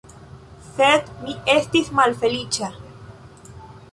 Sed mi estis malfeliĉa.